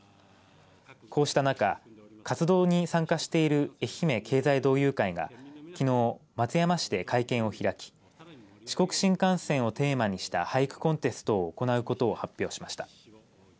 こうした中、活動に参加している愛媛経済同友会がきのう松山市で会見を開き四国新幹線をテーマにした俳句コンテストを行うことを発表しました。